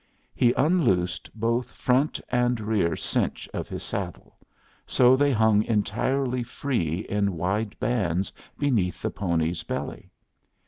He unloosed both front and rear cinch of his saddle, so they hung entirely free in wide bands beneath the pony's belly.